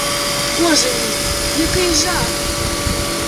Боже мій, який жах!